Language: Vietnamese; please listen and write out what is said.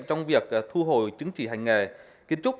trong việc thu hồi chứng chỉ hành nghề kiến trúc